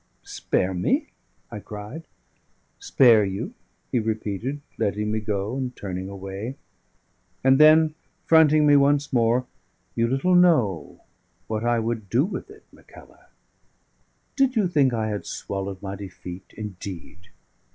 "Spare me?" I cried. "Spare you," he repeated, letting me go and turning away. And then, fronting me once more: "You little know what I would do with it, Mackellar! Did you think I had swallowed my defeat indeed?